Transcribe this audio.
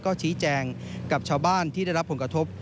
ก็ชี้แจงกับชาวบ้านที่ได้รับผลกระทบ